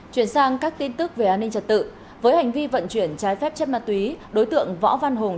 chuyển sang các tin tức về an ninh trật tự với hành vi vận chuyển trái phép chất ma túy đối tượng võ văn hùng